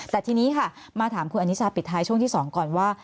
แต่ทีนี้ค่ะมาถามคุณอนิชาปิดท้ายช่วงที่๒ก่อนว่า